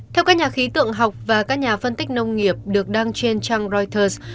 theo các nhà khí tượng học và các nhà phân tích nông nghiệp được đăng trên trang reuters